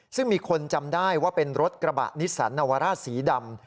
ซึ่งมีคนจำได้ว่าเป็นรถกระบะนิสสันนวาร่าสีดำ